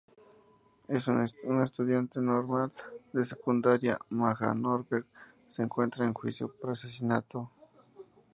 Una estudiante normal de secundaria, Maja Norberg, se encuentra en juicio por asesinato.